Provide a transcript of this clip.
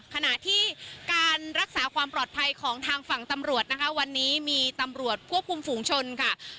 ขณะที่การรักษาความปลอดภัยของทางฝั่งตำรวจนะคะวันนี้มีตำรวจควบคุมฝูงชนค่ะ